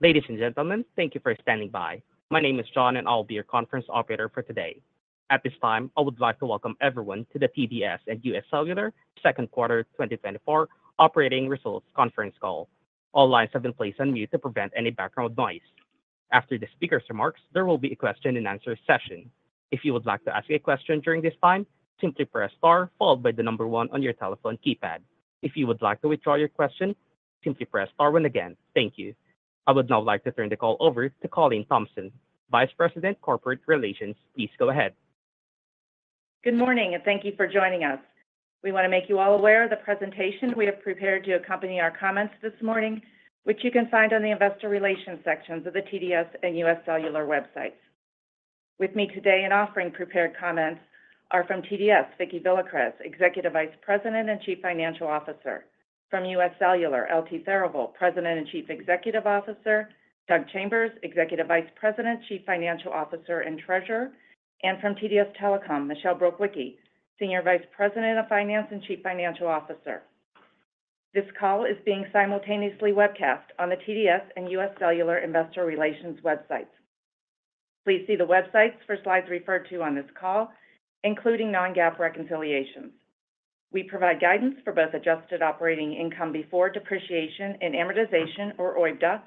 Ladies and gentlemen, thank yo for standing by. My name is John, and I'll be your conference operator for today. At this time, I would like to welcome everyone to the TDS and UScellular Second Quarter 2024 Operating Results Conference Call. All lines have been placed on mute to prevent any background noise. After the speaker's remarks, there will be a question and answer session. If you would like to ask a question during this time, simply press star, followed by the number one on your telephone keypad. If you would like to withdraw your question, simply press star one again. Thank you. I would now like to turn the call over to Colleen Thompson, Vice President, Corporate Relations. Please go ahead. Good morning, and thank you for joining us. We want to make you all aware of the presentation we have prepared to accompany our comments this morning, which you can find on the investor relations sections of the TDS and UScellular websites. With me today and offering prepared comments are from TDS, Vicki Villacrez, Executive Vice President and Chief Financial Officer; from UScellular, L.T. Therivel, President and Chief Executive Officer; Doug Chambers, Executive Vice President, Chief Financial Officer, and Treasurer; and from TDS Telecom, Michelle Brukwicki, Senior Vice President of Finance and Chief Financial Officer. This call is being simultaneously webcast on the TDS and UScellular Investor Relations websites. Please see the websites for slides referred to on this call, including non-GAAP reconciliations. We provide guidance for both adjusted operating income before depreciation and amortization, or OIBDA,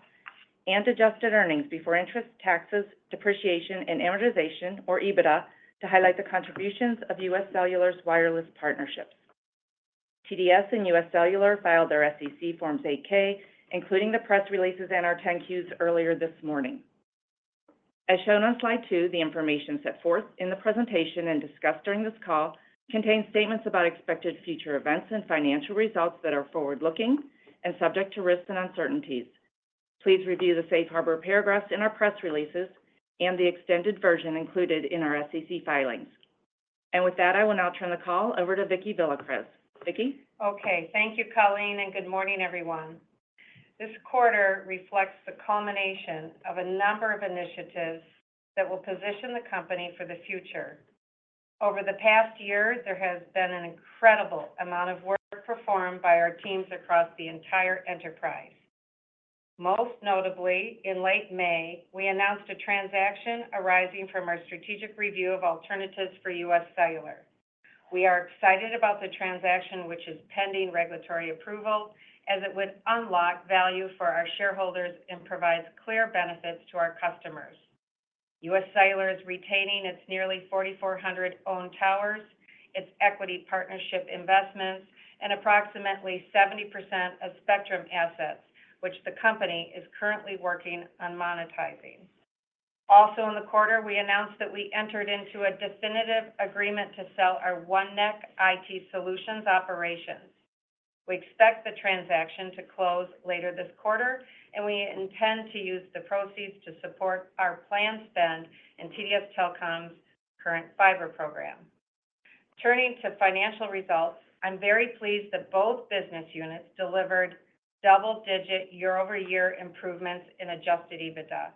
and adjusted earnings before interest, taxes, depreciation, and amortization, or EBITDA, to highlight the contributions of UScellular's wireless partnerships. TDS and UScellular filed their SEC Form 8-Ks, including the press releases and our 10-Qs earlier this morning. As shown on Slide 2, the information set forth in the presentation and discussed during this call contains statements about expected future events and financial results that are forward-looking and subject to risks and uncertainties. Please review the safe harbor paragraphs in our press releases and the extended version included in our SEC filings. With that, I will now turn the call over to Vicki Villacrez. Vicki? Okay. Thank you, Colleen, and good morning, everyone. This quarter reflects the culmination of a number of initiatives that will position the company for the future. Over the past year, there has been an incredible amount of work performed by our teams across the entire enterprise. Most notably, in late May, we announced a transaction arising from our strategic review of alternatives for UScellular. We are excited about the transaction, which is pending regulatory approval, as it would unlock value for our shareholders and provides clear benefits to our customers. UScellular is retaining its nearly 4,400 owned towers, its equity partnership investments, and approximately 70% of spectrum assets, which the company is currently working on monetizing. Also in the quarter, we announced that we entered into a definitive agreement to sell our OneNeck IT Solutions operations. We expect the transaction to close later this quarter, and we intend to use the proceeds to support our planned spend in TDS Telecom's current fiber program. Turning to financial results, I'm very pleased that both business units delivered double-digit year-over-year improvements in Adjusted EBITDA,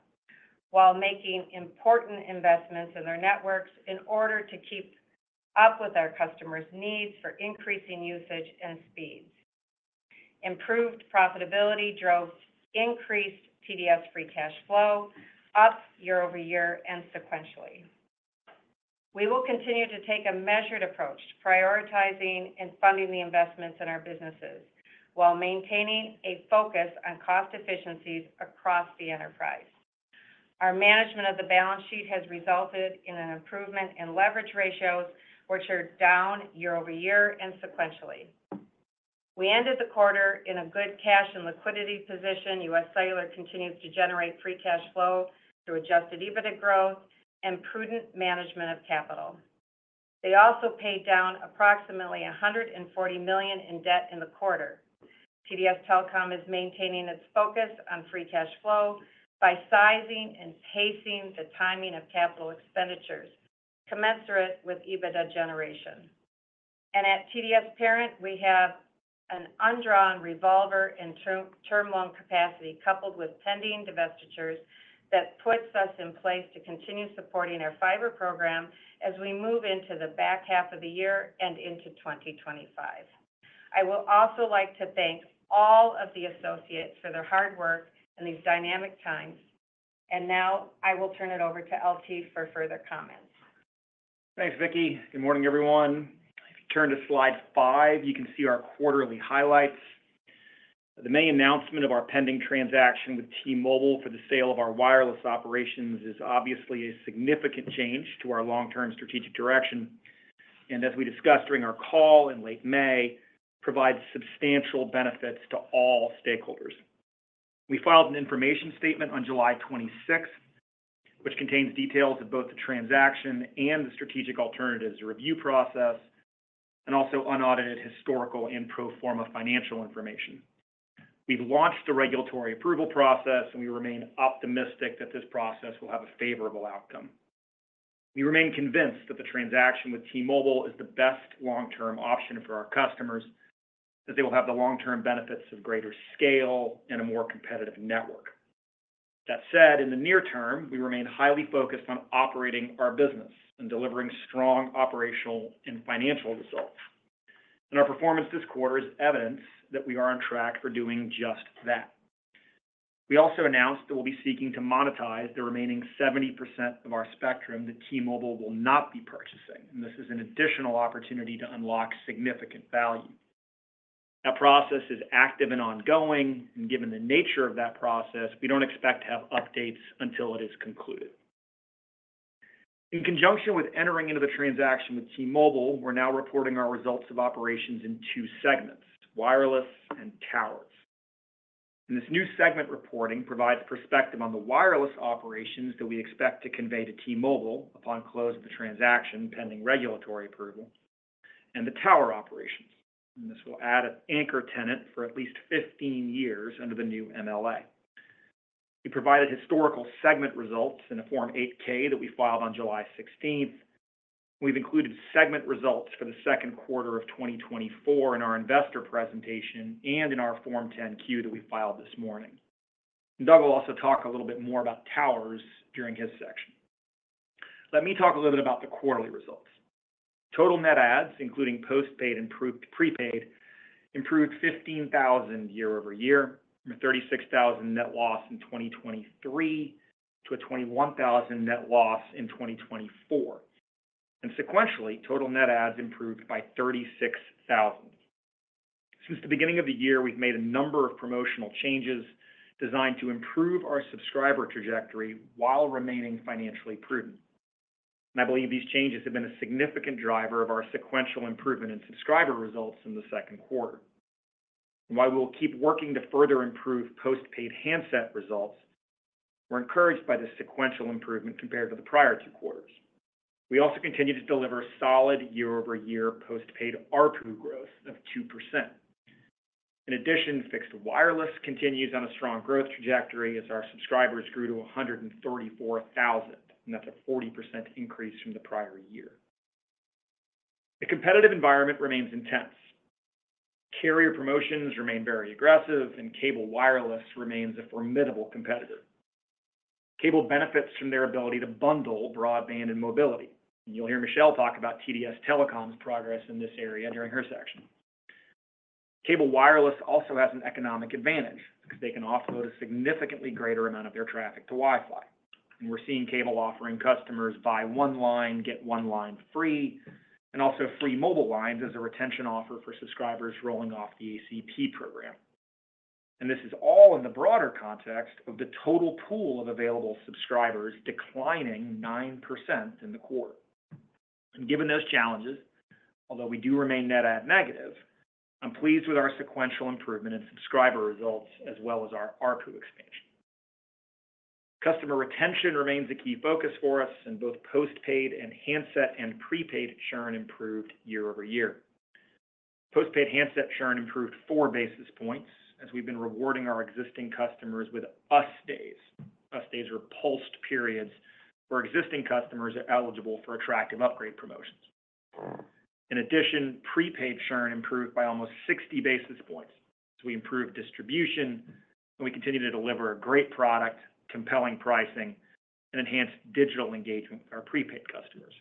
while making important investments in our networks in order to keep up with our customers' needs for increasing usage and speeds. Improved profitability drove increased TDS free cash flow up year-over-year and sequentially. We will continue to take a measured approach to prioritizing and funding the investments in our businesses while maintaining a focus on cost efficiencies across the enterprise. Our management of the balance sheet has resulted in an improvement in leverage ratios, which are down year-over-year and sequentially. We ended the quarter in a good cash and liquidity position. UScellular continues to generate free cash flow through Adjusted EBITDA growth and prudent management of capital. They also paid down approximately $140 million in debt in the quarter. TDS Telecom is maintaining its focus on free cash flow by sizing and pacing the timing of capital expenditures, commensurate with EBITDA generation. And at TDS Parent, we have an undrawn revolver and term loan capacity, coupled with pending divestitures that puts us in place to continue supporting our fiber program as we move into the back half of the year and into 2025. I will also like to thank all of the associates for their hard work in these dynamic times. And now I will turn it over to L.T. for further comments. Thanks, Vicki. Good morning, everyone. If you turn to Slide 5, you can see our quarterly highlights. The main announcement of our pending transaction with T-Mobile for the sale of our wireless operations is obviously a significant change to our long-term strategic direction, and as we discussed during our call in late May, provides substantial benefits to all stakeholders. We filed an information statement on July 26th, which contains details of both the transaction and the strategic alternatives review process, and also unaudited historical and pro forma financial information. We've launched the regulatory approval process, and we remain optimistic that this process will have a favorable outcome. We remain convinced that the transaction with T-Mobile is the best long-term option for our customers, that they will have the long-term benefits of greater scale and a more competitive network. That said, in the near term, we remain highly focused on operating our business and delivering strong operational and financial results. Our performance this quarter is evidence that we are on track for doing just that. We also announced that we'll be seeking to monetize the remaining 70% of our spectrum that T-Mobile will not be purchasing, and this is an additional opportunity to unlock significant value. That process is active and ongoing, and given the nature of that process, we don't expect to have updates until it is concluded. In conjunction with entering into the transaction with T-Mobile, we're now reporting our results of operations in two segments: wireless and towers. This new segment reporting provides perspective on the wireless operations that we expect to convey to T-Mobile upon close of the transaction, pending regulatory approval, and the tower operations, and this will add an anchor tenant for at least 15 years under the new MLA. We provided historical segment results in a Form 8-K that we filed on July 16. We've included segment results for the second quarter of 2024 in our investor presentation and in our Form 10-Q that we filed this morning. Doug will also talk a little bit more about towers during his section. Let me talk a little bit about the quarterly results. Total net adds, including postpaid and prepaid, improved 15,000 year-over-year, from a 36,000 net loss in 2023 to a 21,000 net loss in 2024, and sequentially, total net adds improved by 36,000. Since the beginning of the year, we've made a number of promotional changes designed to improve our subscriber trajectory while remaining financially prudent. I believe these changes have been a significant driver of our sequential improvement in subscriber results in the second quarter. While we will keep working to further improve postpaid handset results, we're encouraged by the sequential improvement compared to the prior two quarters. We also continue to deliver solid year-over-year postpaid ARPU growth of 2%. In addition, fixed wireless continues on a strong growth trajectory as our subscribers grew to 134,000, and that's a 40% increase from the prior year. The competitive environment remains intense. Carrier promotions remain very aggressive, and cable wireless remains a formidable competitor. Cable benefits from their ability to bundle broadband and mobility. You'll hear Michelle talk about TDS Telecom's progress in this area during her section. Cable wireless also has an economic advantage because they can offload a significantly greater amount of their traffic to Wi-Fi, and we're seeing cable offering customers buy one line, get one line free, and also free mobile lines as a retention offer for subscribers rolling off the ACP program. This is all in the broader context of the total pool of available subscribers declining 9% in the quarter. Given those challenges, although we do remain net add negative, I'm pleased with our sequential improvement in subscriber results as well as our ARPU expansion. Customer retention remains a key focus for us, and both postpaid and handset and prepaid churn improved year-over-year. Postpaid handset churn improved 4 basis points as we've been rewarding our existing customers with US Days. US Days are pulsed periods where existing customers are eligible for attractive upgrade promotions. In addition, prepaid churn improved by almost 60 basis points, as we improved distribution, and we continued to deliver a great product, compelling pricing, and enhanced digital engagement with our prepaid customers.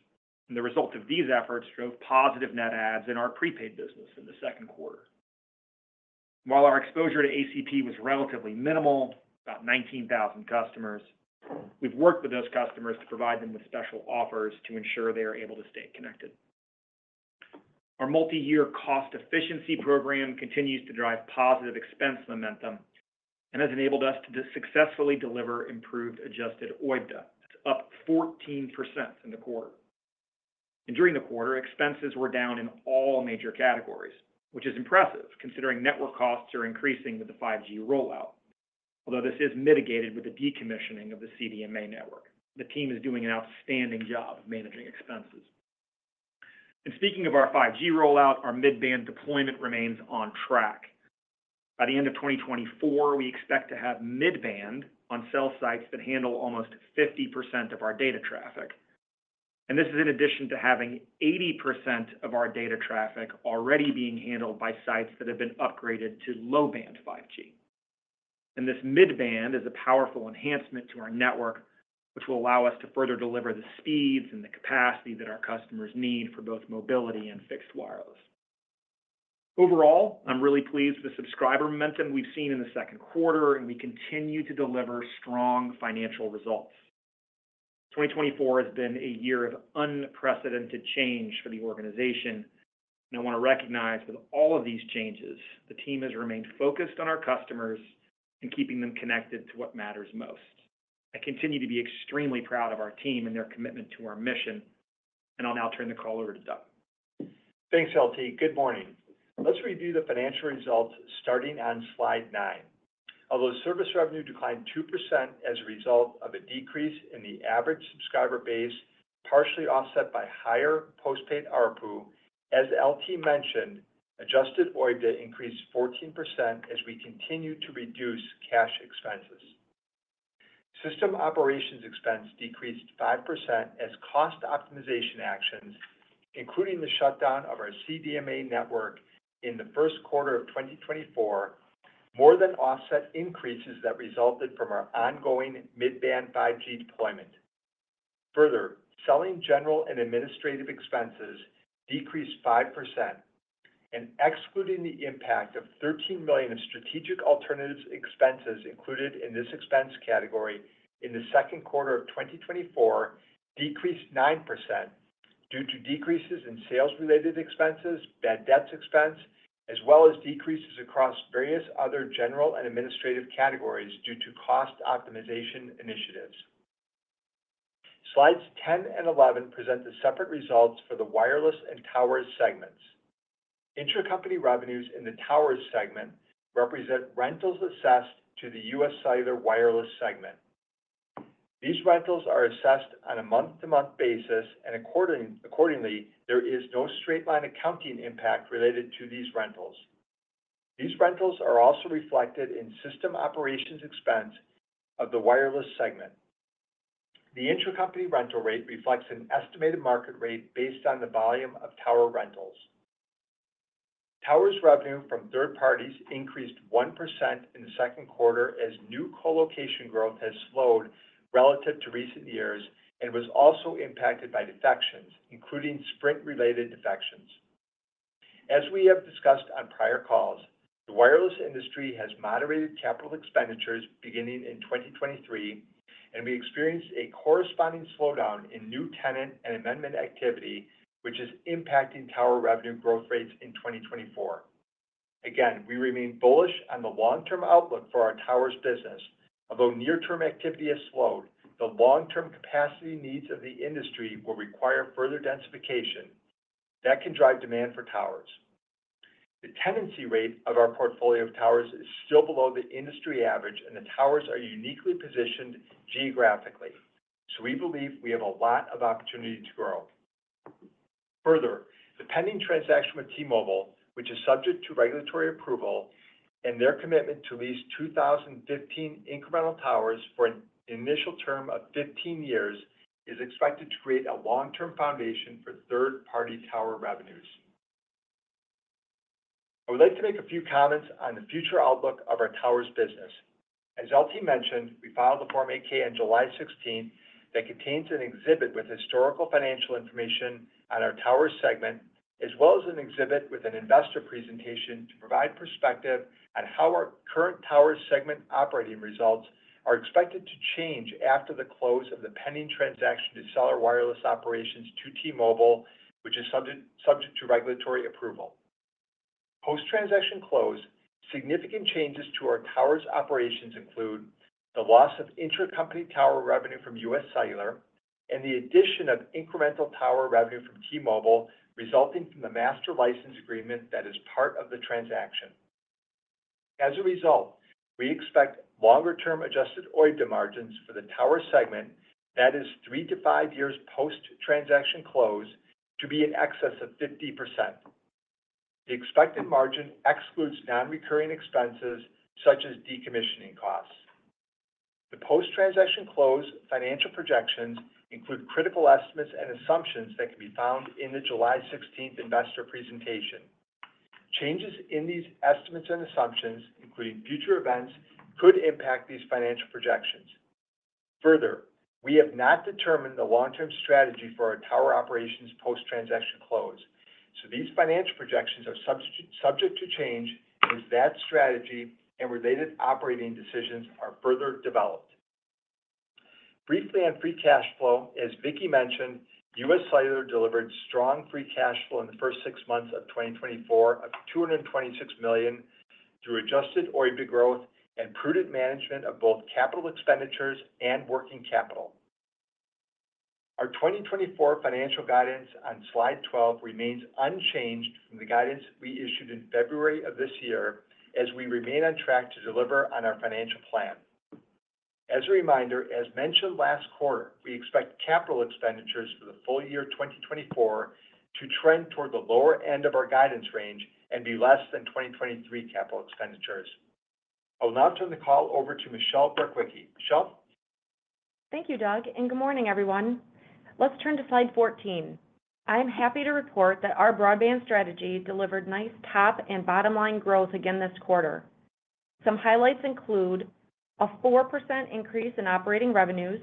The result of these efforts drove positive net adds in our prepaid business in the second quarter. While our exposure to ACP was relatively minimal, about 19,000 customers, we've worked with those customers to provide them with special offers to ensure they are able to stay connected. Our multi-year cost efficiency program continues to drive positive expense momentum and has enabled us to successfully deliver improved Adjusted OIBDA, up 14% in the quarter. During the quarter, expenses were down in all major categories, which is impressive considering network costs are increasing with the 5G rollout, although this is mitigated with the decommissioning of the CDMA network. The team is doing an outstanding job of managing expenses. Speaking of our 5G rollout, our mid-band deployment remains on track. By the end of 2024, we expect to have mid-band on cell sites that handle almost 50% of our data traffic, and this is in addition to having 80% of our data traffic already being handled by sites that have been upgraded to low-band 5G. And this mid-band is a powerful enhancement to our network, which will allow us to further deliver the speeds and the capacity that our customers need for both mobility and fixed wireless. Overall, I'm really pleased with the subscriber momentum we've seen in the second quarter, and we continue to deliver strong financial results. 2024 has been a year of unprecedented change for the organization, and I want to recognize that with all of these changes, the team has remained focused on our customers and keeping them connected to what matters most. I continue to be extremely proud of our team and their commitment to our mission, and I'll now turn the call over to Doug. Thanks, L.T. Good morning. Let's review the financial results starting on Slide 9. Although service revenue declined 2% as a result of a decrease in the average subscriber base, partially offset by higher postpaid ARPU, as L.T. mentioned, adjusted OIBDA increased 14% as we continued to reduce cash expenses. System operations expense decreased 5% as cost optimization actions including the shutdown of our CDMA network in the first quarter of 2024, more than offset increases that resulted from our ongoing mid-band 5G deployment. Further, selling, general and administrative expenses decreased 5%, and excluding the impact of $13 million in strategic alternatives expenses included in this expense category in the second quarter of 2024, decreased 9% due to decreases in sales-related expenses, bad debts expense, as well as decreases across various other general and administrative categories due to cost optimization initiatives. Slides 10 and 11 present the separate results for the wireless and towers segments. Intracompany revenues in the towers segment represent rentals assessed to the UScellular wireless segment. These rentals are assessed on a month-to-month basis, and accordingly, there is no straight-line accounting impact related to these rentals. These rentals are also reflected in system operations expense of the wireless segment. The intracompany rental rate reflects an estimated market rate based on the volume of tower rentals. Towers revenue from third parties increased 1% in the second quarter, as new co-location growth has slowed relative to recent years and was also impacted by defections, including Sprint-related defections. As we have discussed on prior calls, the wireless industry has moderated capital expenditures beginning in 2023, and we experienced a corresponding slowdown in new tenant and amendment activity, which is impacting tower revenue growth rates in 2024. Again, we remain bullish on the long-term outlook for our towers business. Although near-term activity has slowed, the long-term capacity needs of the industry will require further densification. That can drive demand for towers. The tenancy rate of our portfolio of towers is still below the industry average, and the towers are uniquely positioned geographically. So we believe we have a lot of opportunity to grow. Further, the pending transaction with T-Mobile, which is subject to regulatory approval, and their commitment to lease 2,015 incremental towers for an initial term of 15 years, is expected to create a long-term foundation for third-party tower revenues. I would like to make a few comments on the future outlook of our towers business. As L.T. mentioned, we filed a Form 8-K on July 16 that contains an exhibit with historical financial information on our towers segment, as well as an exhibit with an investor presentation to provide perspective on how our current towers segment operating results are expected to change after the close of the pending transaction to sell our wireless operations to T-Mobile, which is subject to regulatory approval. Post-transaction close, significant changes to our towers operations include the loss of intracompany tower revenue from UScellular and the addition of incremental tower revenue from T-Mobile, resulting from the master license agreement that is part of the transaction. As a result, we expect longer-term adjusted OIBDA margins for the tower segment that is 3-5 years post-transaction close to be in excess of 50%. The expected margin excludes non-recurring expenses, such as decommissioning costs. The post-transaction close financial projections include critical estimates and assumptions that can be found in the July sixteenth investor presentation. Changes in these estimates and assumptions, including future events, could impact these financial projections. Further, we have not determined the long-term strategy for our tower operations post-transaction close, so these financial projections are subject to change as that strategy and related operating decisions are further developed. Briefly on free cash flow, as Vicki mentioned, UScellular delivered strong free cash flow in the first six months of 2024 of $226 million through adjusted OIBDA growth and prudent management of both capital expenditures and working capital. Our 2024 financial guidance on Slide 12 remains unchanged from the guidance we issued in February of this year, as we remain on track to deliver on our financial plan. As a reminder, as mentioned last quarter, we expect capital expenditures for the full year 2024 to trend toward the lower end of our guidance range and be less than 2023 capital expenditures. I will now turn the call over to Michelle Brukwicki. Michelle? Thank you, Doug, and good morning, everyone. Let's turn to Slide 14. I am happy to report that our broadband strategy delivered nice top and bottom line growth again this quarter. Some highlights include a 4% increase in operating revenues,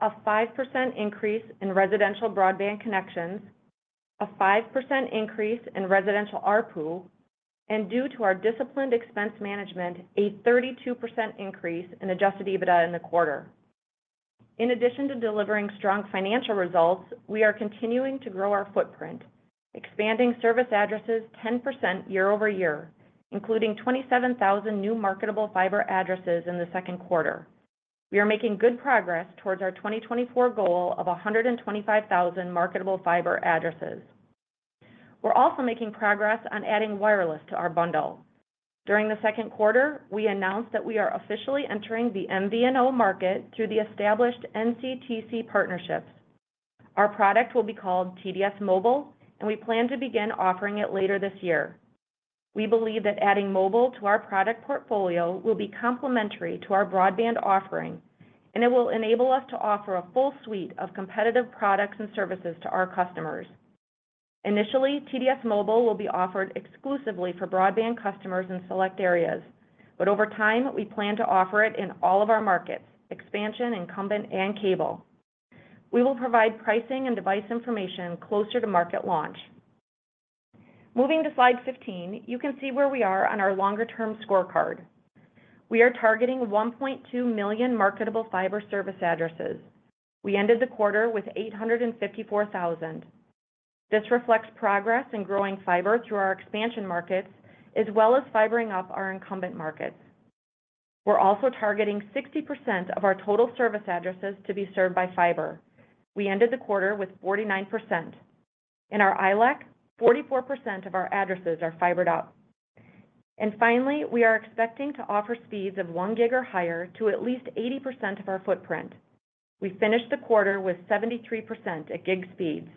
a 5% increase in residential broadband connections, a 5% increase in residential ARPU, and due to our disciplined expense management, a 32% increase in adjusted EBITDA in the quarter. In addition to delivering strong financial results, we are continuing to grow our footprint, expanding service addresses 10% year-over-year, including 27,000 new marketable fiber addresses in the second quarter. We are making good progress towards our 2024 goal of 125,000 marketable fiber addresses. We're also making progress on adding wireless to our bundle. During the second quarter, we announced that we are officially entering the MVNO market through the established NCTC partnerships. Our product will be called TDS Mobile, and we plan to begin offering it later this year. We believe that adding mobile to our product portfolio will be complementary to our broadband offering, and it will enable us to offer a full suite of competitive products and services to our customers. Initially, TDS Mobile will be offered exclusively for broadband customers in select areas, but over time, we plan to offer it in all of our markets: expansion, incumbent, and cable. We will provide pricing and device information closer to market launch. Moving to Slide 15, you can see where we are on our longer-term scorecard. We are targeting 1.2 million marketable fiber service addresses. We ended the quarter with 854,000. This reflects progress in growing fiber through our expansion markets, as well as fibering up our incumbent markets. We're also targeting 60% of our total service addresses to be served by fiber. We ended the quarter with 49%. In our ILEC, 44% of our addresses are fibered up. Finally, we are expecting to offer speeds of 1 gig or higher to at least 80% of our footprint. We finished the quarter with 73% at gig speeds.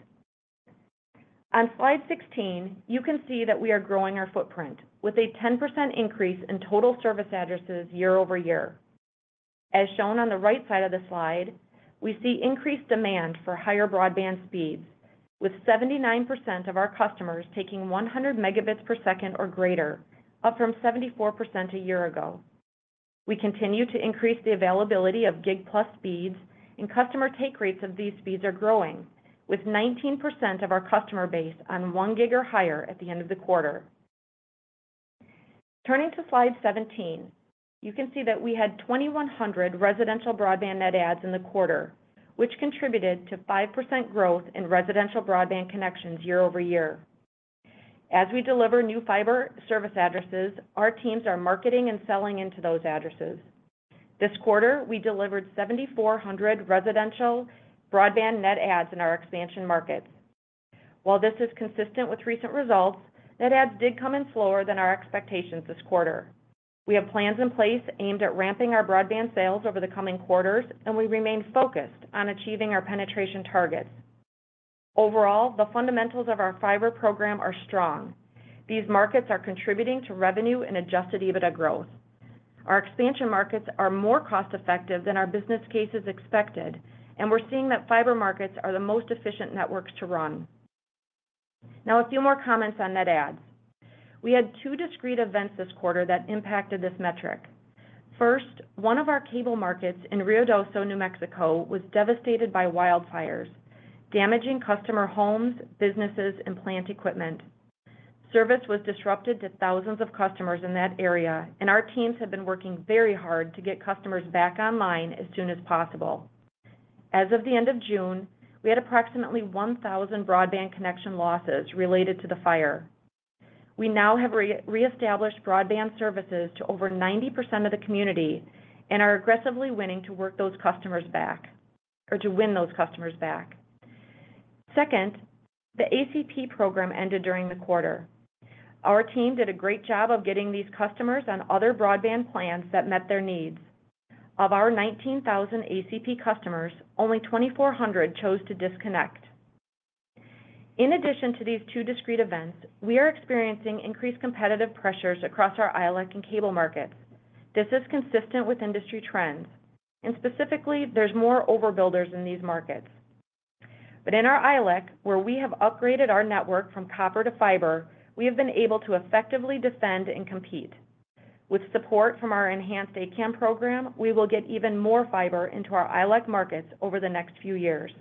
On Slide 16, you can see that we are growing our footprint with a 10% increase in total service addresses year-over-year. As shown on the right side of the slide, we see increased demand for higher broadband speeds, with 79% of our customers taking 100 megabits per second or greater, up from 74% a year ago. We continue to increase the availability of gig-plus speeds, and customer take rates of these speeds are growing, with 19% of our customer base on 1 gig or higher at the end of the quarter. Turning to Slide 17, you can see that we had 2,100 residential broadband net adds in the quarter, which contributed to 5% growth in residential broadband connections year-over-year. As we deliver new fiber service addresses, our teams are marketing and selling into those addresses. This quarter, we delivered 7,400 residential broadband net adds in our expansion markets. While this is consistent with recent results, net adds did come in slower than our expectations this quarter. We have plans in place aimed at ramping our broadband sales over the coming quarters, and we remain focused on achieving our penetration targets. Overall, the fundamentals of our fiber program are strong. These markets are contributing to revenue and Adjusted EBITDA growth. Our expansion markets are more cost-effective than our business cases expected, and we're seeing that fiber markets are the most efficient networks to run. Now, a few more comments on net adds. We had two discrete events this quarter that impacted this metric. First, one of our cable markets in Ruidoso, New Mexico, was devastated by wildfires, damaging customer homes, businesses, and plant equipment. Service was disrupted to thousands of customers in that area, and our teams have been working very hard to get customers back online as soon as possible. As of the end of June, we had approximately 1,000 broadband connection losses related to the fire. We now have reestablished broadband services to over 90% of the community and are aggressively working to win those customers back, or to win those customers back. Second, the ACP program ended during the quarter. Our team did a great job of getting these customers on other broadband plans that met their needs. Of our 19,000 ACP customers, only 2,400 chose to disconnect. In addition to these two discrete events, we are experiencing increased competitive pressures across our ILEC and cable markets. This is consistent with industry trends, and specifically, there's more overbuilders in these markets. But in our ILEC, where we have upgraded our network from copper to fiber, we have been able to effectively defend and compete. With support from our enhanced A-CAM program, we will get even more fiber into our ILEC markets over the next few years.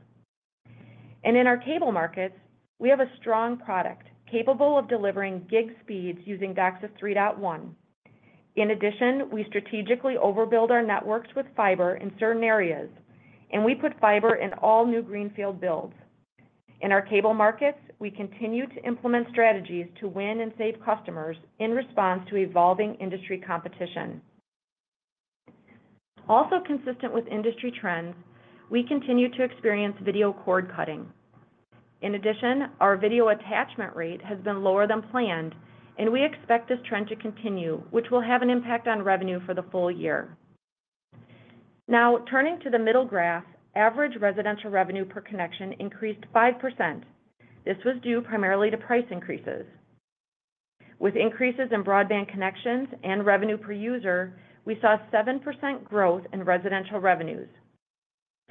In our cable markets, we have a strong product capable of delivering gig speeds using DOCSIS 3.1. In addition, we strategically overbuild our networks with fiber in certain areas, and we put fiber in all new greenfield builds. In our cable markets, we continue to implement strategies to win and save customers in response to evolving industry competition. Also consistent with industry trends, we continue to experience video cord-cutting. In addition, our video attachment rate has been lower than planned, and we expect this trend to continue, which will have an impact on revenue for the full year. Now, turning to the middle graph, average residential revenue per connection increased 5%. This was due primarily to price increases. With increases in broadband connections and revenue per user, we saw 7% growth in residential revenues.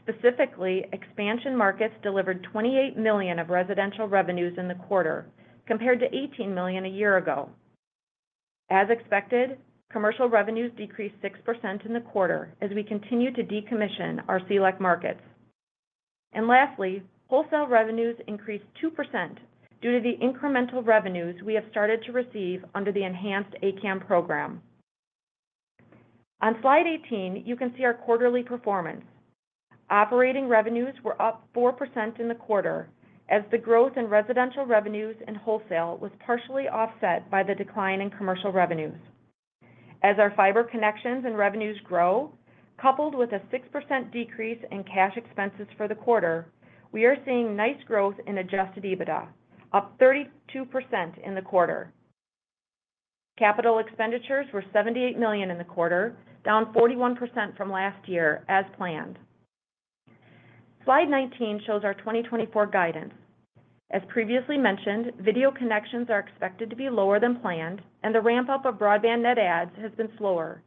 Specifically, expansion markets delivered $28 million of residential revenues in the quarter, compared to $18 million a year ago. As expected, commercial revenues decreased 6% in the quarter as we continue to decommission our CLEC markets. Lastly, wholesale revenues increased 2% due to the incremental revenues we have started to receive under the enhanced A-CAM program. On Slide 18, you can see our quarterly performance. Operating revenues were up 4% in the quarter, as the growth in residential revenues and wholesale was partially offset by the decline in commercial revenues. As our fiber connections and revenues grow, coupled with a 6% decrease in cash expenses for the quarter, we are seeing nice growth in Adjusted EBITDA, up 32% in the quarter. Capital expenditures were $78 million in the quarter, down 41% from last year, as planned. Slide 19 shows our 2024 guidance. As previously mentioned, video connections are expected to be lower than planned, and the ramp-up of broadband net adds has been slower.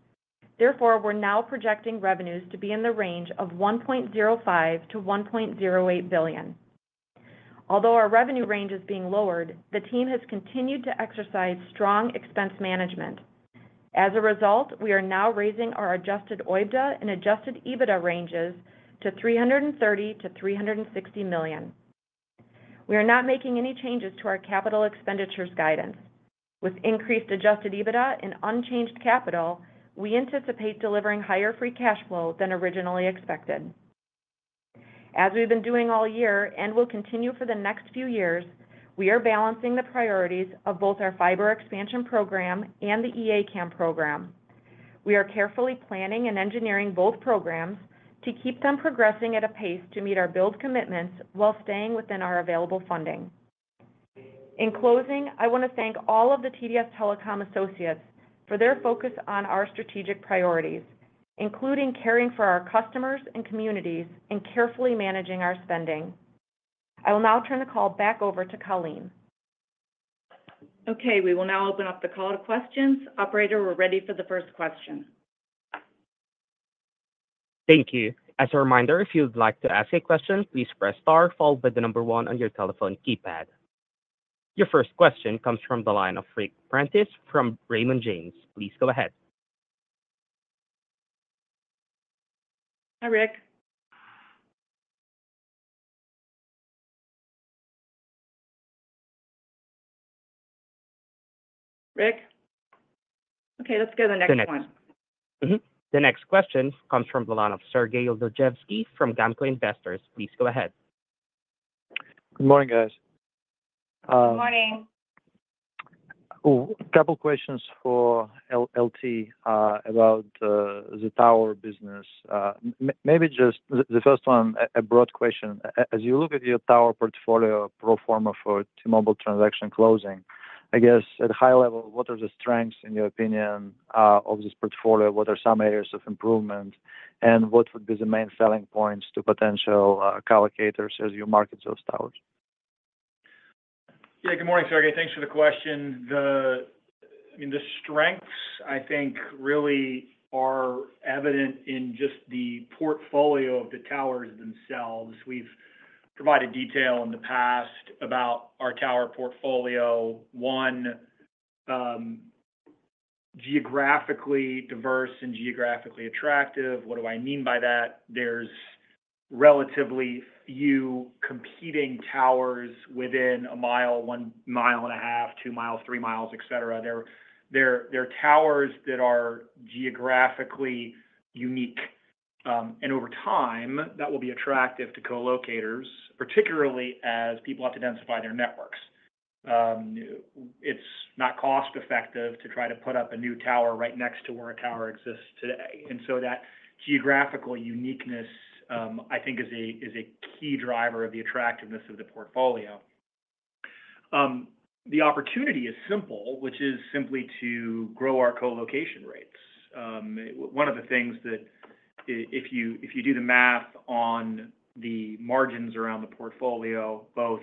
Therefore, we're now projecting revenues to be in the range of $1.05 billion-$1.08 billion. Although our revenue range is being lowered, the team has continued to exercise strong expense management. As a result, we are now raising our adjusted OIBDA and adjusted EBITDA ranges to $330 million-$360 million. We are not making any changes to our capital expenditures guidance. With increased adjusted EBITDA and unchanged capital, we anticipate delivering higher free cash flow than originally expected. As we've been doing all year, and will continue for the next few years, we are balancing the priorities of both our fiber expansion program and the A-CAM program. We are carefully planning and engineering both programs to keep them progressing at a pace to meet our build commitments while staying within our available funding. In closing, I want to thank all of the TDS Telecom associates for their focus on our strategic priorities, including caring for our customers and communities and carefully managing our spending. I will now turn the call back over to Colleen. Okay, we will now open up the call to questions. Operator, we're ready for the first question. Thank you. As a reminder, if you'd like to ask a question, please press star followed by the number one on your telephone keypad. Your first question comes from the line of Ric Prentiss from Raymond James. Please go ahead. Hi, Ric. Ric? Okay, let's go to the next one. Mm-hmm. The next question comes from the line of Sergey Dluzhevskiy from GAMCO Investors. Please go ahead. Good morning, guys. Good morning. Oh, a couple questions for L.T., about the tower business. Maybe just the first one, a broad question. As you look at your tower portfolio pro forma for T-Mobile transaction closing, I guess at a high level, what are the strengths, in your opinion, of this portfolio? What are some areas of improvement, and what would be the main selling points to potential collocators as you market those towers? Yeah, good morning, Sergey. Thanks for the question. I mean, the strengths, I think, really are evident in just the portfolio of the towers themselves. We've provided detail in the past about our tower portfolio. One, geographically diverse and geographically attractive. What do I mean by that? There's relatively few competing towers within a mile, one mile and a half, two miles, three miles, et cetera. They're towers that are geographically unique. And over time, that will be attractive to collocators, particularly as people have to densify their networks. It's not cost effective to try to put up a new tower right next to where a tower exists today. And so that geographical uniqueness, I think is a key driver of the attractiveness of the portfolio. The opportunity is simple, which is simply to grow our colocation rates. One of the things that, if you do the math on the margins around the portfolio, both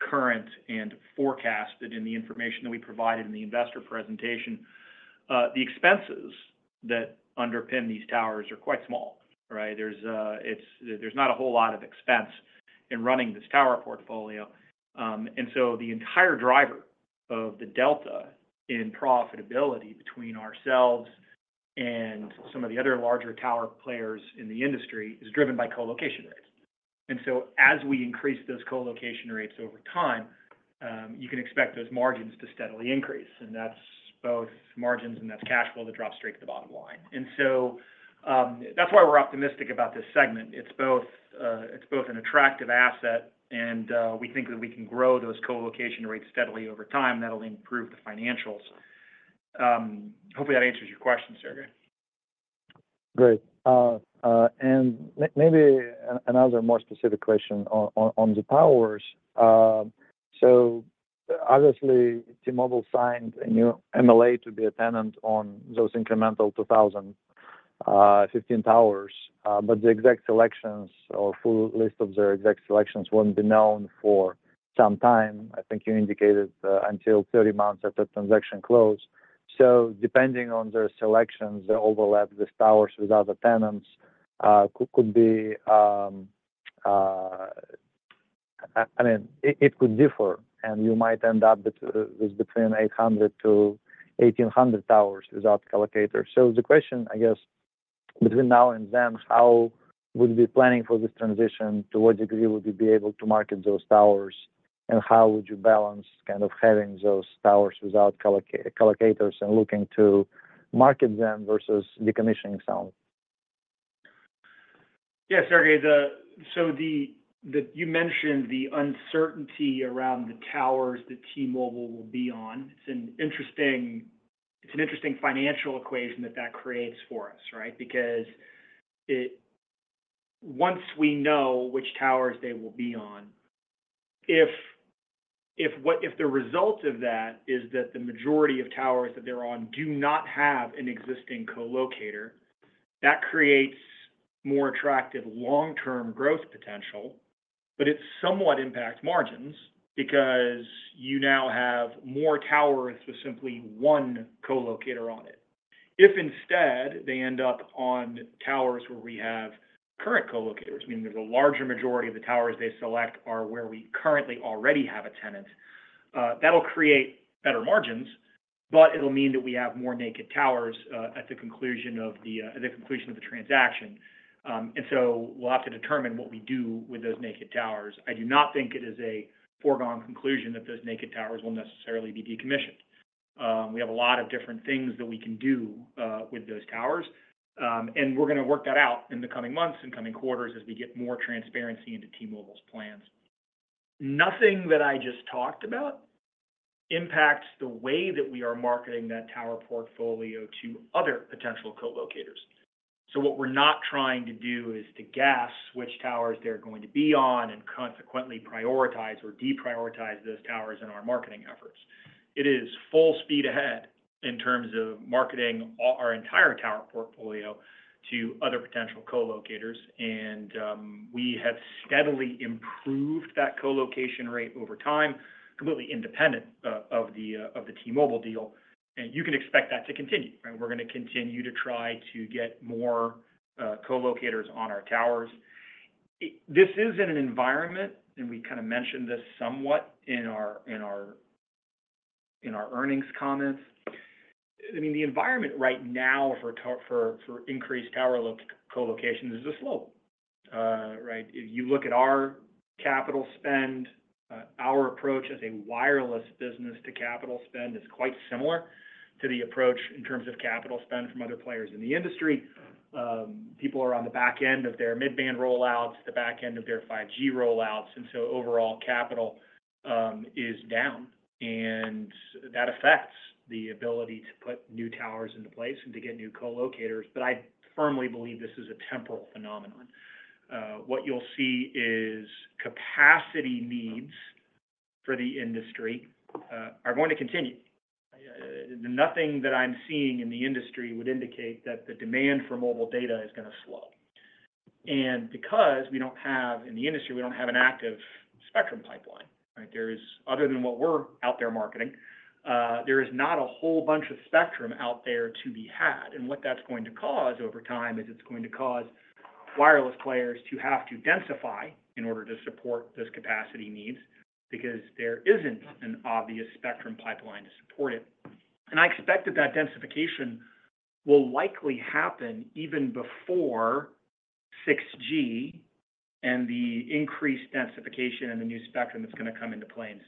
current and forecasted in the information that we provided in the investor presentation, the expenses that underpin these towers are quite small, right? There's not a whole lot of expense in running this tower portfolio. And so the entire driver of the delta in profitability between ourselves and some of the other larger tower players in the industry is driven by colocation rates. And so as we increase those colocation rates over time, you can expect those margins to steadily increase, and that's both margins and that's cash flow that drops straight to the bottom line. And so, that's why we're optimistic about this segment. It's both, it's both an attractive asset, and we think that we can grow those co-location rates steadily over time. That'll improve the financials. Hopefully, that answers your question, Sergey. Great. And maybe another more specific question on the towers. So obviously, T-Mobile signed a new MLA to be a tenant on those incremental 2,015 towers, but the exact selections or full list of their exact selections won't be known for some time, I think you indicated, until 30 months after transaction close. So depending on their selections, the overlap with towers with other tenants could be. I mean, it could differ, and you might end up between with between 800-1,800 towers without co-locators. So the question, I guess, between now and then, how would we be planning for this transition? To what degree would you be able to market those towers, and how would you balance kind of having those towers without collocators and looking to market them versus decommissioning some? Yeah, Sergey, so you mentioned the uncertainty around the towers that T-Mobile will be on. It's an interesting financial equation that creates for us, right? Because once we know which towers they will be on, if the result of that is that the majority of towers that they're on do not have an existing co-locator, that creates more attractive long-term growth potential, but it somewhat impacts margins because you now have more towers with simply one co-locator on it. If instead, they end up on towers where we have current co-locators, meaning there's a larger majority of the towers they select are where we currently already have a tenant, that'll create better margins, but it'll mean that we have more naked towers at the conclusion of the transaction. We'll have to determine what we do with those naked towers. I do not think it is a foregone conclusion that those naked towers will necessarily be decommissioned. We have a lot of different things that we can do with those towers. We're gonna work that out in the coming months and coming quarters as we get more transparency into T-Mobile's plans. Nothing that I just talked about impacts the way that we are marketing that tower portfolio to other potential co-locators. So what we're not trying to do is to guess which towers they're going to be on and consequently prioritize or deprioritize those towers in our marketing efforts. It is full speed ahead in terms of marketing all our entire tower portfolio to other potential co-locators, and we have steadily improved that co-location rate over time, completely independent of the T-Mobile deal, and you can expect that to continue, right? We're gonna continue to try to get more co-locators on our towers. This is in an environment, and we kind of mentioned this somewhat in our earnings comments. I mean, the environment right now for increased tower co-location is a slow, right? If you look at our capital spend, our approach as a wireless business to capital spend is quite similar to the approach in terms of capital spend from other players in the industry. People are on the back end of their Mid-band rollouts, the back end of their 5G rollouts, and so overall capital is down, and that affects the ability to put new towers into place and to get new co-locators. But I firmly believe this is a temporal phenomenon. What you'll see is capacity needs for the industry are going to continue. Nothing that I'm seeing in the industry would indicate that the demand for mobile data is gonna slow. And because we don't have in the industry, we don't have an active spectrum pipeline, right? There is other than what we're out there marketing, there is not a whole bunch of spectrum out there to be had. What that's going to cause over time is it's going to cause wireless players to have to densify in order to support those capacity needs, because there isn't an obvious spectrum pipeline to support it. I expect that that densification will likely happen even before 6G and the increased densification and the new spectrum that's gonna come into play in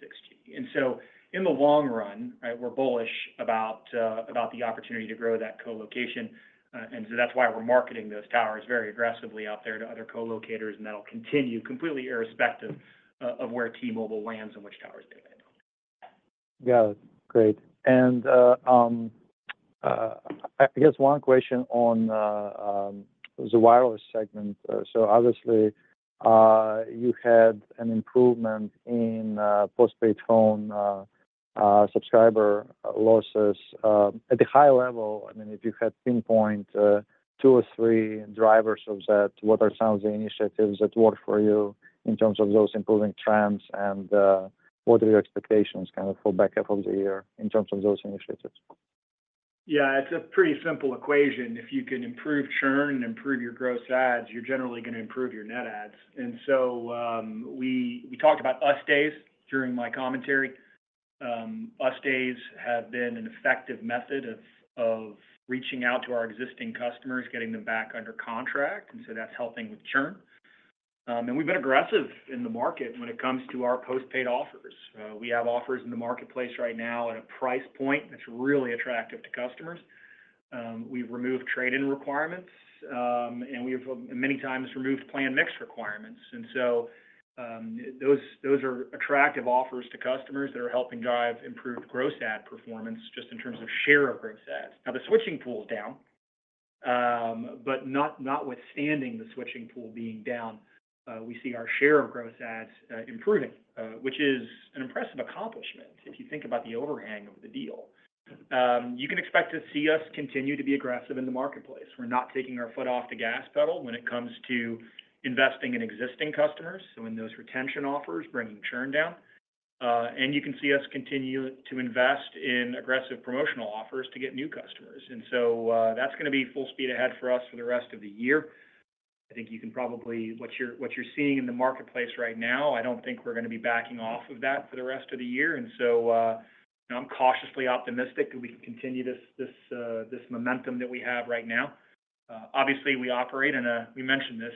6G. So in the long run, right, we're bullish about, about the opportunity to grow that co-location. And so that's why we're marketing those towers very aggressively out there to other co-locators, and that'll continue completely irrespective of where T-Mobile lands and which towers they land on. Got it. Great. And, I guess one question on, the wireless segment. So obviously, you had an improvement in, postpaid phone, subscriber losses. At the high level, I mean, if you had to pinpoint, two or three drivers of that, what are some of the initiatives that work for you in terms of those improving trends? And, what are your expectations kind of for back half of the year in terms of those initiatives? Yeah, it's a pretty simple equation. If you can improve churn and improve your gross adds, you're generally gonna improve your net adds. And so, we talked about US Days during my commentary. US Days have been an effective method of reaching out to our existing customers, getting them back under contract, and so that's helping with churn. And we've been aggressive in the market when it comes to our postpaid offers. We have offers in the marketplace right now at a price point that's really attractive to customers. We've removed trade-in requirements, and we've many times removed plan mix requirements. And so, those are attractive offers to customers that are helping drive improved gross add performance just in terms of share of gross adds. Now, the switching pool is down, but notwithstanding the switching pool being down, we see our share of gross adds improving, which is an impressive accomplishment if you think about the overhang of the deal. You can expect to see us continue to be aggressive in the marketplace. We're not taking our foot off the gas pedal when it comes to investing in existing customers, so in those retention offers, bringing churn down. And you can see us continue to invest in aggressive promotional offers to get new customers. And so, that's gonna be full speed ahead for us for the rest of the year. I think you can probably—what you're seeing in the marketplace right now, I don't think we're gonna be backing off of that for the rest of the year. I'm cautiously optimistic that we can continue this momentum that we have right now. Obviously, we operate in a highly competitive sector. We mentioned this,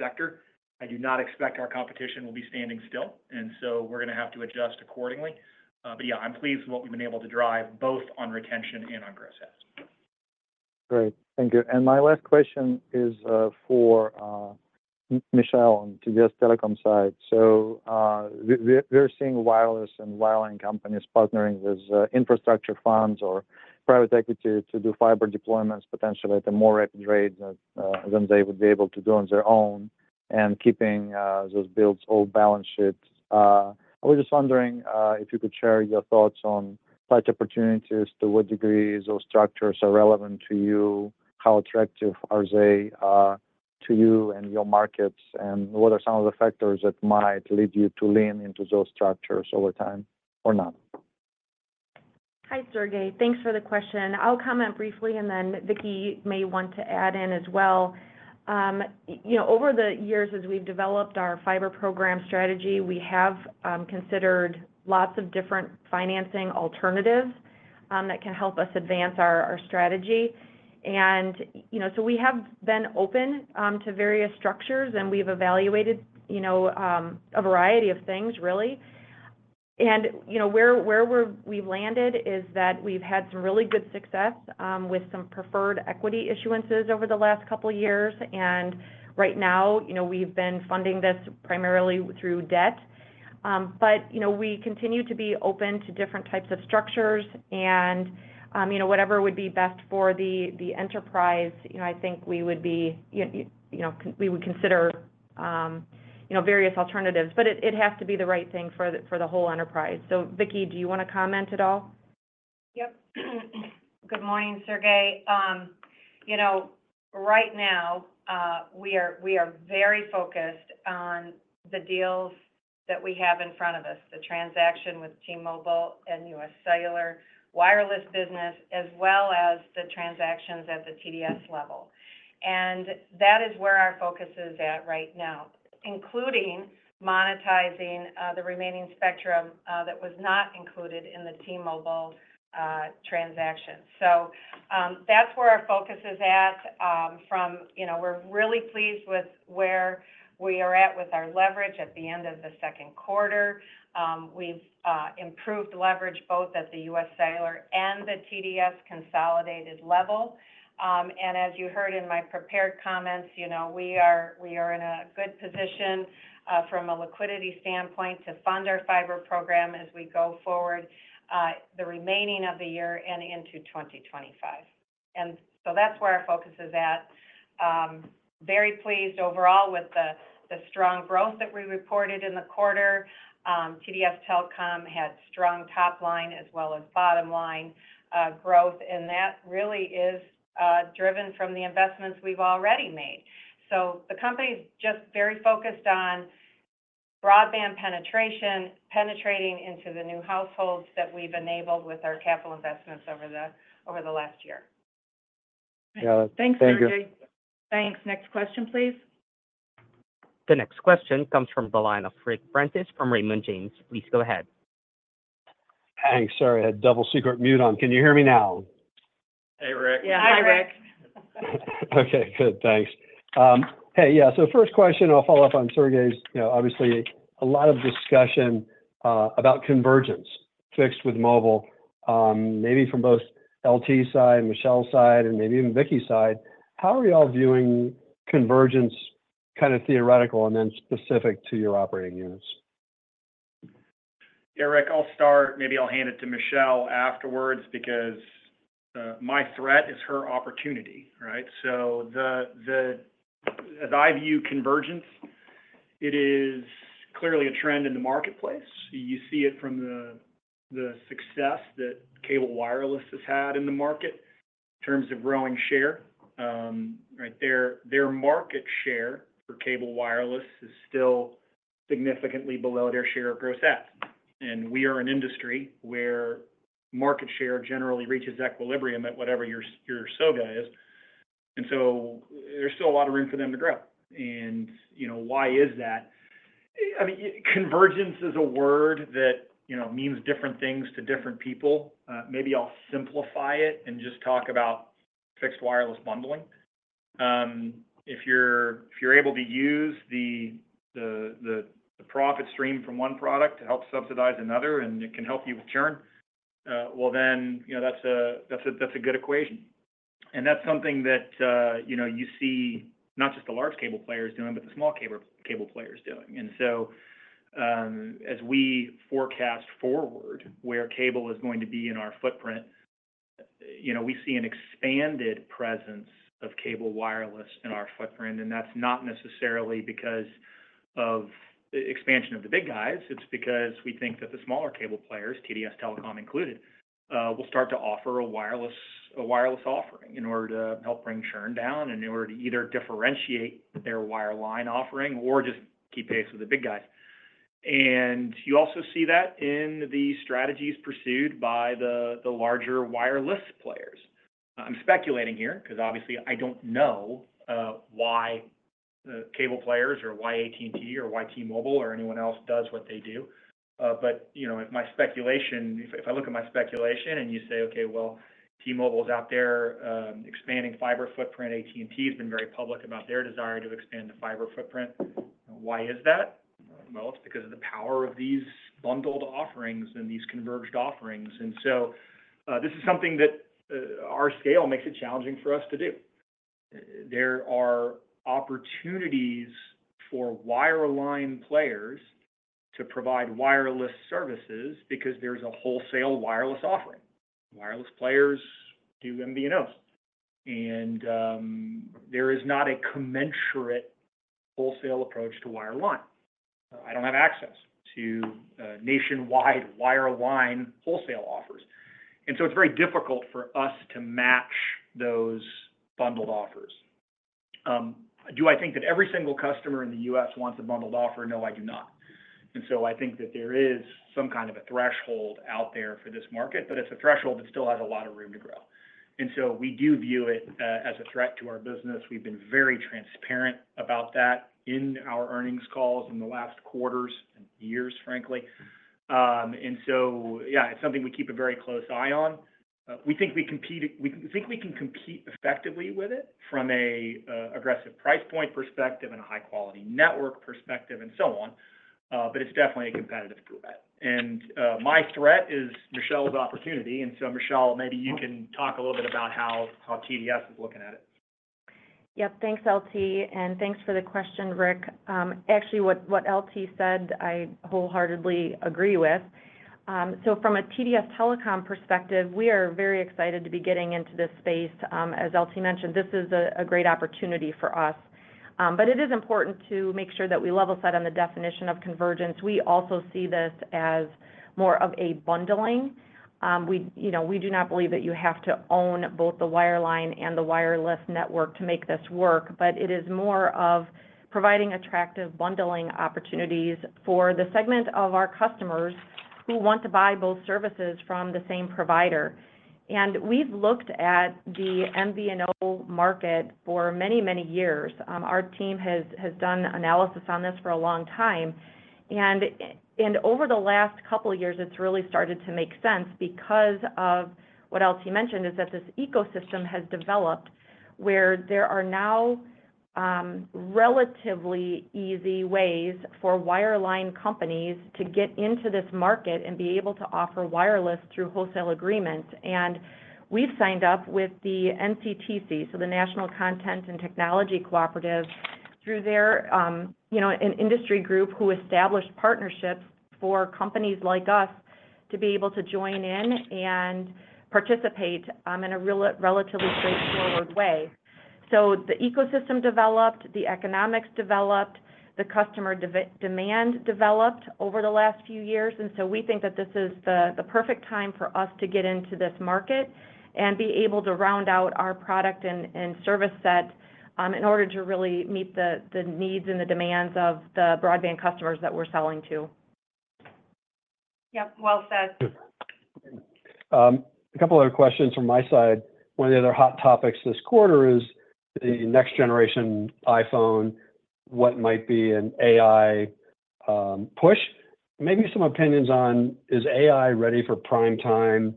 right? I do not expect our competition will be standing still, and so we're gonna have to adjust accordingly. But yeah, I'm pleased with what we've been able to drive, both on retention and on gross adds. Great. Thank you. My last question is for Michelle on to the Telecom side. So, we're seeing wireless and wireline companies partnering with infrastructure funds or private equity to do fiber deployments, potentially at a more rapid rate than they would be able to do on their own and keeping those builds off balance sheets. I was just wondering if you could share your thoughts on such opportunities, to what degree those structures are relevant to you, how attractive are they to you and your markets, and what are some of the factors that might lead you to lean into those structures over time or not? Hi, Sergey. Thanks for the question. I'll comment briefly, and then Vicki may want to add in as well. You know, over the years, as we've developed our fiber program strategy, we have considered lots of different financing alternatives that can help us advance our strategy. And you know, so we have been open to various structures, and we've evaluated you know a variety of things, really. And you know, where we've landed is that we've had some really good success with some preferred equity issuances over the last couple of years, and right now, you know, we've been funding this primarily through debt. But, you know, we continue to be open to different types of structures and, you know, whatever would be best for the enterprise, you know, I think we would be, you know, we would consider, you know, various alternatives, but it has to be the right thing for the whole enterprise. So, Vicki, do you want to comment at all? Yep. Good morning, Sergey. You know, right now, we are very focused on the deals that we have in front of us, the transaction with T-Mobile and UScellular wireless business, as well as the transactions at the TDS level. And that is where our focus is at right now, including monetizing the remaining spectrum that was not included in the T-Mobile transaction. So, that's where our focus is at. You know, we're really pleased with where we are at with our leverage at the end of the second quarter. We've improved leverage both at the UScellular and the TDS consolidated level. And as you heard in my prepared comments, you know, we are, we are in a good position, from a liquidity standpoint to fund our fiber program as we go forward, the remaining of the year and into 2025. And so that's where our focus is at. Very pleased overall with the strong growth that we reported in the quarter. TDS Telecom had strong top line as well as bottom line growth, and that really is driven from the investments we've already made. So the company is just very focused on broadband penetration, penetrating into the new households that we've enabled with our capital investments over the last year. Yeah. Thank you. Thanks, Sergey. Thanks. Next question, please. The next question comes from the line of Ric Prentiss from Raymond James. Please go ahead. Thanks. Sorry, I had double secret mute on. Can you hear me now? Hey, Rick. Yeah, hi, Ric. Okay, good. Thanks. Hey, yeah, so first question, I'll follow up on Sergey's. You know, obviously, a lot of discussion about convergence, fixed with mobile. Maybe from both L.T. side, Michelle side, and maybe even Vicki side, how are you all viewing convergence, kind of theoretical and then specific to your operating units? Yeah, Ric, I'll start. Maybe I'll hand it to Michelle afterwards because my threat is her opportunity, right? So, as I view convergence, it is clearly a trend in the marketplace. You see it from the success that cable wireless has had in the market in terms of growing share. Right there, their market share for cable wireless is still significantly below their share of gross adds. And we are an industry where market share generally reaches equilibrium at whatever your SOGA is. And so there's still a lot of room for them to grow. And, you know, why is that? I mean, convergence is a word that, you know, means different things to different people. Maybe I'll simplify it and just talk about fixed wireless bundling. If you're able to use the profit stream from one product to help subsidize another, and it can help you with churn, well, then, you know, that's a good equation. And that's something that, you know, you see not just the large cable players doing, but the small cable players doing. And so, as we forecast forward, where cable is going to be in our footprint, you know, we see an expanded presence of cable wireless in our footprint, and that's not necessarily because of the expansion of the big guys. It's because we think that the smaller cable players, TDS Telecom included, will start to offer a wireless offering in order to help bring churn down, in order to either differentiate their wireline offering or just keep pace with the big guys. You also see that in the strategies pursued by the larger wireless players. I'm speculating here because obviously I don't know why the cable players or why AT&T or why T-Mobile or anyone else does what they do. But, you know, if my speculation, if I look at my speculation and you say, "Okay, well, T-Mobile is out there expanding fiber footprint. AT&T has been very public about their desire to expand the fiber footprint. Why is that?" Well, it's because of the power of these bundled offerings and these converged offerings. And so, this is something that our scale makes it challenging for us to do. There are opportunities for wireline players to provide wireless services because there's a wholesale wireless offering wireless players do MVNOs, and there is not a commensurate wholesale approach to wireline. I don't have access to nationwide wireline wholesale offers, and so it's very difficult for us to match those bundled offers. Do I think that every single customer in the U.S. wants a bundled offer? No, I do not. And so I think that there is some kind of a threshold out there for this market, but it's a threshold that still has a lot of room to grow. And so we do view it as a threat to our business. We've been very transparent about that in our earnings calls in the last quarters and years, frankly. And so, yeah, it's something we keep a very close eye on. We think we can compete effectively with it from a aggressive price point perspective and a high-quality network perspective, and so on, but it's definitely a competitive threat. My threat is Michelle's opportunity, and so, Michelle, maybe you can talk a little bit about how TDS is looking at it. Yep. Thanks, L.T., and thanks for the question, Ric. Actually, what L.T. said, I wholeheartedly agree with. So from a TDS Telecom perspective, we are very excited to be getting into this space. As L.T. mentioned, this is a great opportunity for us. But it is important to make sure that we level set on the definition of convergence. We also see this as more of a bundling. We, you know, we do not believe that you have to own both the wireline and the wireless network to make this work, but it is more of providing attractive bundling opportunities for the segment of our customers who want to buy both services from the same provider. And we've looked at the MVNO market for many, many years. Our team has done analysis on this for a long time, and over the last couple of years, it's really started to make sense because of what L.T. mentioned, is that this ecosystem has developed where there are now relatively easy ways for wireline companies to get into this market and be able to offer wireless through wholesale agreements. And we've signed up with the NCTC, so the National Content and Technology Cooperative, through their, you know, an industry group who established partnerships for companies like us to be able to join in and participate in a relatively straightforward way. So the ecosystem developed, the economics developed, the customer demand developed over the last few years, and so we think that this is the perfect time for us to get into this market and be able to round out our product and service set, in order to really meet the needs and the demands of the broadband customers that we're selling to. Yep, well said. Good. A couple other questions from my side. One of the other hot topics this quarter is the next generation iPhone, what might be an AI push. Maybe some opinions on, is AI ready for prime time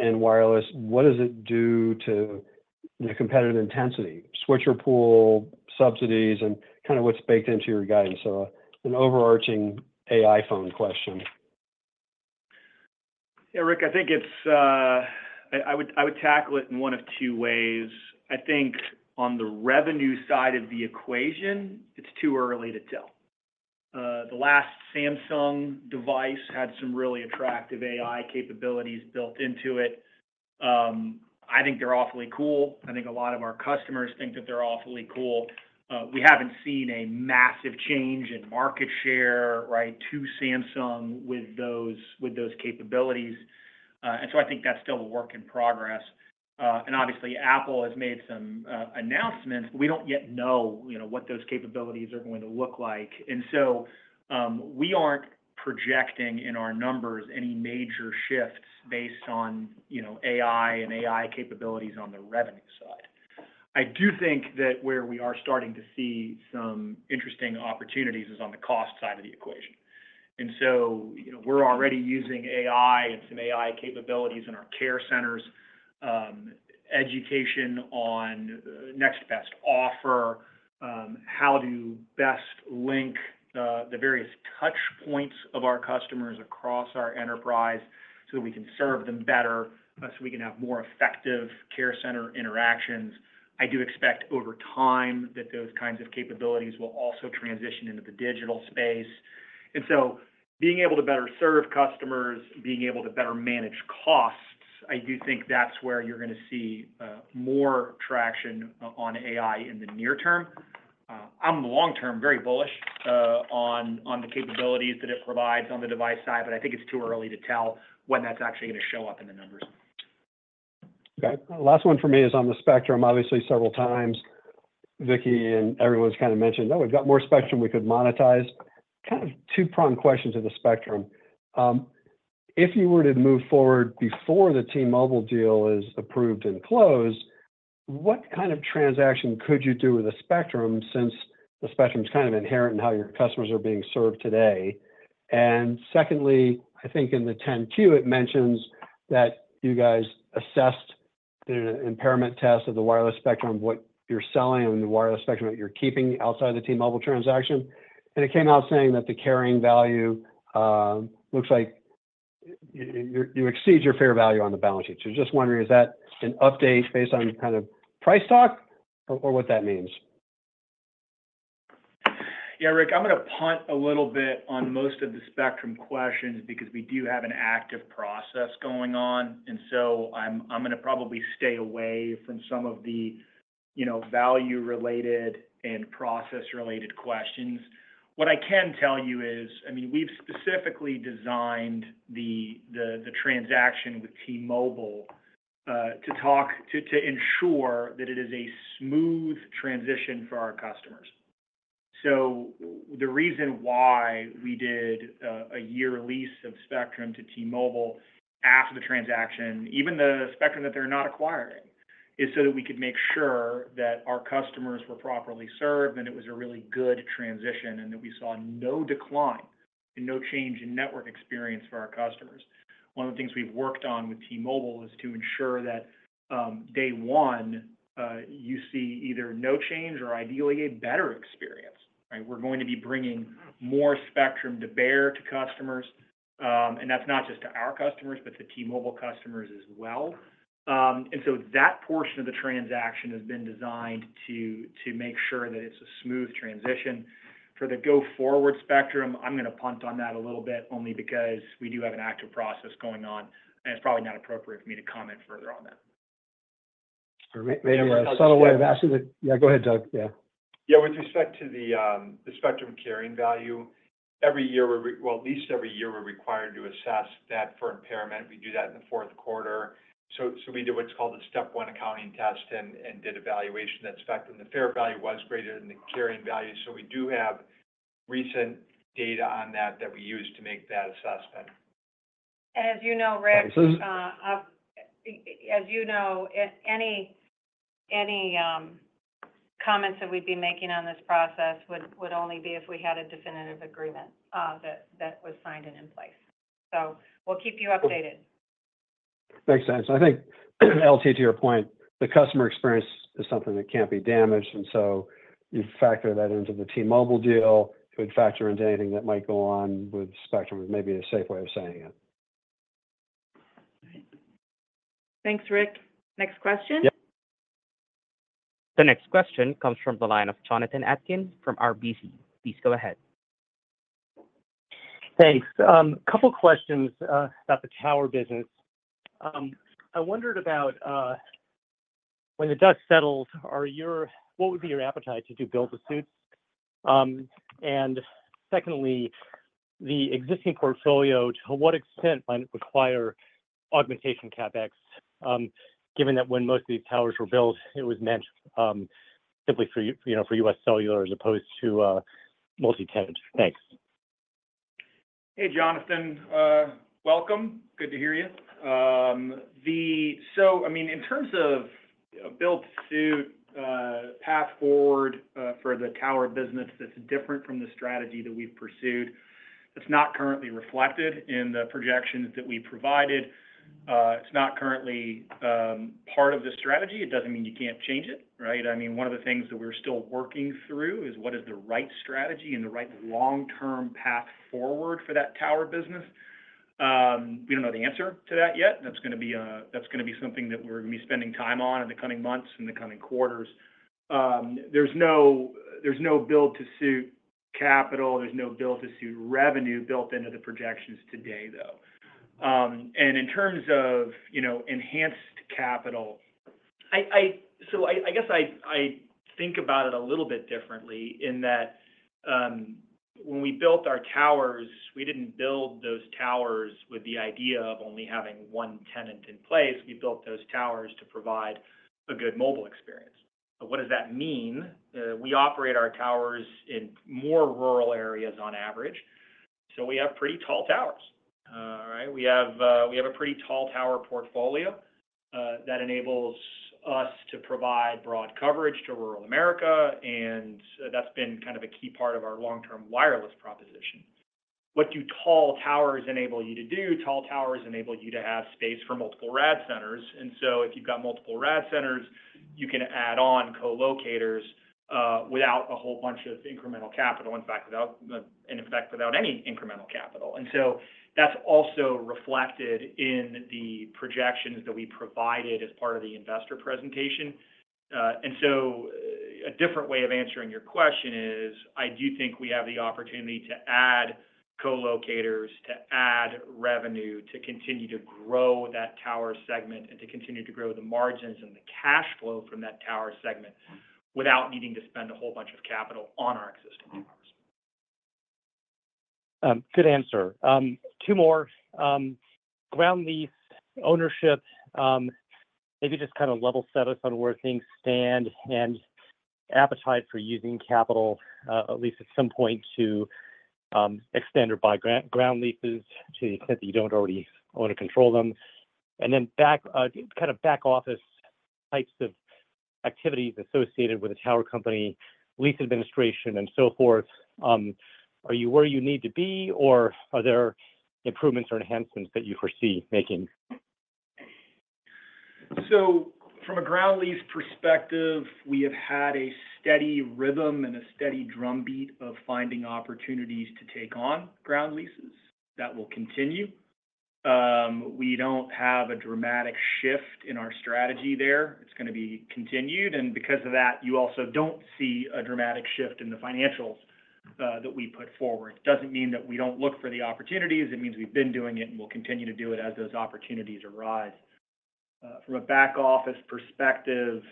in wireless? What does it do to the competitive intensity, switcher pool, subsidies, and kind of what's baked into your guidance? So an overarching AI phone question. Yeah, Rick, I think it's. I would tackle it in one of two ways. I think on the revenue side of the equation, it's too early to tell. The last Samsung device had some really attractive AI capabilities built into it. I think they're awfully cool. I think a lot of our customers think that they're awfully cool. We haven't seen a massive change in market share, right, to Samsung with those capabilities. And so I think that's still a work in progress. And obviously, Apple has made some announcements. We don't yet know, you know, what those capabilities are going to look like. And so, we aren't projecting in our numbers any major shifts based on, you know, AI and AI capabilities on the revenue side. I do think that where we are starting to see some interesting opportunities is on the cost side of the equation. And so, you know, we're already using AI and some AI capabilities in our care centers, education on next best offer, how to best link, the various touchpoints of our customers across our enterprise so we can serve them better, so we can have more effective care center interactions. I do expect over time that those kinds of capabilities will also transition into the digital space. And so being able to better serve customers, being able to better manage costs, I do think that's where you're gonna see, more traction on AI in the near term. On the long term, very bullish on the capabilities that it provides on the device side, but I think it's too early to tell when that's actually gonna show up in the numbers. Okay. Last one for me is on the spectrum. Obviously, several times, Vicki and everyone's kind of mentioned, "Oh, we've got more spectrum we could monetize." Kind of two-pronged questions in the spectrum. If you were to move forward before the T-Mobile deal is approved and closed, what kind of transaction could you do with the spectrum, since the spectrum's kind of inherent in how your customers are being served today? And secondly, I think in the 10-Q, it mentions that you guys assessed the impairment test of the wireless spectrum, what you're selling, and the wireless spectrum that you're keeping outside the T-Mobile transaction, and it came out saying that the carrying value looks like you exceed your fair value on the balance sheet. So just wondering, is that an update based on kind of price talk or what that means? Yeah, Rick, I'm gonna punt a little bit on most of the spectrum questions because we do have an active process going on, and so I'm gonna probably stay away from some of the, you know, value-related and process-related questions. What I can tell you is, I mean, we've specifically designed the transaction with T-Mobile to ensure that it is a smooth transition for our customers. So the reason why we did a year lease of spectrum to T-Mobile after the transaction, even the spectrum that they're not acquiring, is so that we could make sure that our customers were properly served, and it was a really good transition, and that we saw no decline and no change in network experience for our customers. One of the things we've worked on with T-Mobile is to ensure that, day one, you see either no change or ideally a better experience, right? We're going to be bringing more spectrum to bear to customers. And that's not just to our customers, but to T-Mobile customers as well. And so that portion of the transaction has been designed to make sure that it's a smooth transition. For the go-forward spectrum, I'm gonna punt on that a little bit only because we do have an active process going on, and it's probably not appropriate for me to comment further on that. Maybe a subtle way of asking the-- Yeah, go ahead, Doug. Yeah. Yeah, with respect to the spectrum carrying value, every year, well, at least every year, we're required to assess that for impairment. We do that in the fourth quarter. So, we do what's called a step one accounting test and did evaluation of that spectrum. The fair value was greater than the carrying value, so we do have recent data on that that we use to make that assessment. As you know, Rick, as you know, any comments that we'd be making on this process would only be if we had a definitive agreement that was signed and in place. So we'll keep you updated. Makes sense. I think, L.T., to your point, the customer experience is something that can't be damaged, and so you factor that into the T-Mobile deal. It would factor into anything that might go on with Spectrum, is maybe a safe way of saying it. Thanks, Rick. Next question? Yep. The next question comes from the line of Jonathan Atkins from RBC. Please go ahead. Thanks. A couple questions about the tower business. I wondered about, when the dust settles, are your-- what would be your appetite to do build-to-suits? And secondly, the existing portfolio, to what extent might it require augmentation CapEx, given that when most of these towers were built, it was meant, simply for, you know, for UScellular as opposed to, multi-tenant? Thanks. Hey, Jonathan. Welcome. Good to hear you. So, I mean, in terms of a build-to-suit path forward for the tower business, that's different from the strategy that we've pursued. It's not currently reflected in the projections that we provided. It's not currently part of the strategy. It doesn't mean you can't change it, right? I mean, one of the things that we're still working through is, what is the right strategy and the right long-term path forward for that tower business? We don't know the answer to that yet. That's gonna be something that we're gonna be spending time on in the coming months and the coming quarters. There's no build-to-suit capital, there's no build-to-suit revenue built into the projections today, though. And in terms of, you know, enhanced capital, so I guess I think about it a little bit differently in that, when we built our towers, we didn't build those towers with the idea of only having one tenant in place. We built those towers to provide a good mobile experience. But what does that mean? We operate our towers in more rural areas on average, so we have pretty tall towers. We have a pretty tall tower portfolio that enables us to provide broad coverage to rural America, and that's been kind of a key part of our long-term wireless proposition. What do tall towers enable you to do? Tall towers enable you to have space for multiple RAD centers, and so if you've got multiple RAD centers, you can add on co-locators, without a whole bunch of incremental capital, in fact, in effect, without any incremental capital. And so that's also reflected in the projections that we provided as part of the investor presentation. And so a different way of answering your question is, I do think we have the opportunity to add co-locators, to add revenue, to continue to grow that tower segment, and to continue to grow the margins and the cash flow from that tower segment, without needing to spend a whole bunch of capital on our existing towers. Good answer. Two more. Ground lease ownership, maybe just kind of level set us on where things stand, and appetite for using capital, at least at some point, to extend or buy ground leases to the extent that you don't already own or control them. And then back, kind of back office types of activities associated with the tower company, lease administration, and so forth, are you where you need to be, or are there improvements or enhancements that you foresee making? So from a ground lease perspective, we have had a steady rhythm and a steady drumbeat of finding opportunities to take on ground leases. That will continue. We don't have a dramatic shift in our strategy there. It's gonna be continued, and because of that, you also don't see a dramatic shift in the financials that we put forward. Doesn't mean that we don't look for the opportunities. It means we've been doing it, and we'll continue to do it as those opportunities arise. From a back office perspective,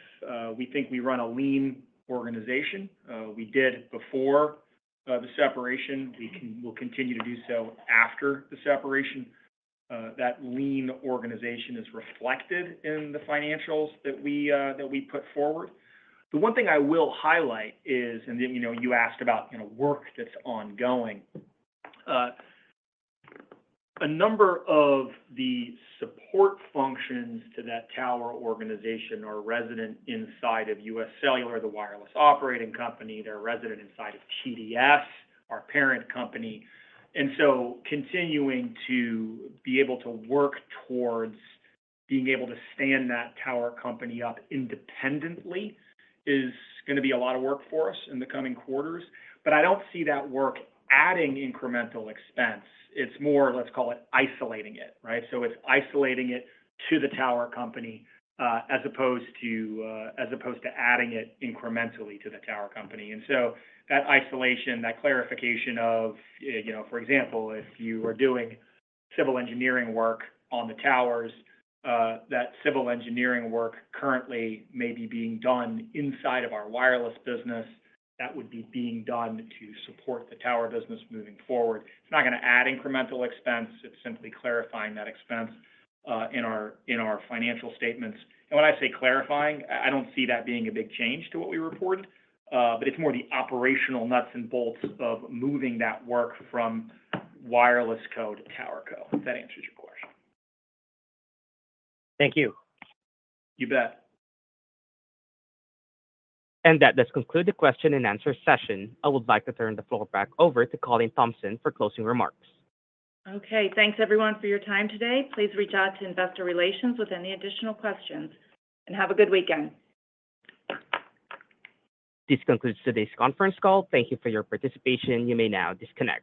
we think we run a lean organization. We did before the separation. We'll continue to do so after the separation. That lean organization is reflected in the financials that we put forward. The one thing I will highlight is, and then, you know, you asked about, you know, work that's ongoing. A number of the support functions to that tower organization are resident inside of UScellular, the wireless operating company. They're resident inside of TDS, our parent company. And so continuing to be able to work towards being able to stand that tower company up independently is gonna be a lot of work for us in the coming quarters. But I don't see that work adding incremental expense. It's more, let's call it, isolating it, right? So it's isolating it to the tower company, as opposed to, as opposed to adding it incrementally to the tower company. And so that isolation, that clarification of, you know. For example, if you are doing civil engineering work on the towers, that civil engineering work currently may be being done inside of our wireless business. That would be being done to support the tower business moving forward. It's not gonna add incremental expense, it's simply clarifying that expense in our financial statements. And when I say clarifying, I don't see that being a big change to what we reported. But it's more the operational nuts and bolts of moving that work from Wireless Co. to TowerCo, if that answers your question. Thank you. You bet. That does conclude the question and answer session. I would like to turn the floor back over to Colleen Thompson for closing remarks. Okay. Thanks everyone for your time today. Please reach out to Investor Relations with any additional questions, and have a good weekend. This concludes today's conference call. Thank you for your participation. You may now disconnect.